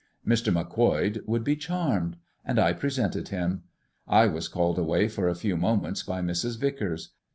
Mr. Macquoid would be charmed; and I presented him. I was called away for a few moments by Mrs. Vicars.